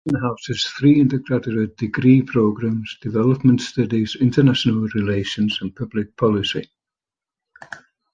Watson houses three undergraduate degree programs - Development Studies, International Relations and Public Policy.